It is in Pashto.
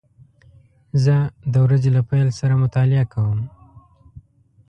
زه د ورځې له پیل سره مطالعه کوم.